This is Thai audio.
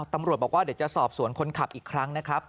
ตำรวจบอกว่าเดี๋ยวจะสอบสวนคนขับอีกครั้งนะครับ